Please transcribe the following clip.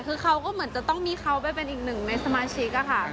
คือเขาก็เหมือนจะต้องมีเขาไปเป็นอีกหนึ่งในสมาชิกอะค่ะ